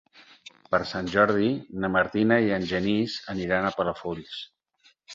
Per Sant Jordi na Martina i en Genís aniran a Palafolls.